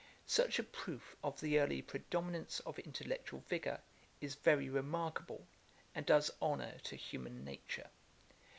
Such a proof of the early predominance of intellectual vigour is very remarkable, and does honour to human nature.